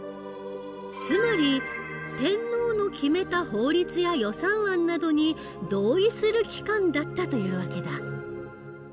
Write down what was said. つまり天皇の決めた法律や予算案などに同意する機関だったという訳だ。